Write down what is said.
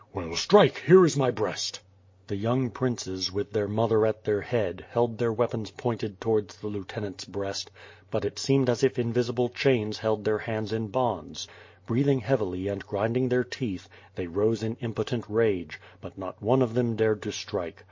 "Well, strike, here's my breast!" The young princes with their mother at their head, held their weapons pointed towards the lieutenant's breast, but it seemed as if invisible chains held their hands in bonds, lireathing heavily and grinding their teeth, they rose in im potent rage, but not one of them dared to strike.